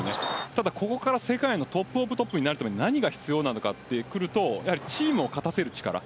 ただ、ここから世界のトップオブトップになるのに何が必要になるかというとチームを勝たせる力。